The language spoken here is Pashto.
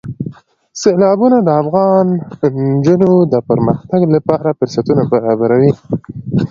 سیلابونه د افغان نجونو د پرمختګ لپاره فرصتونه برابروي.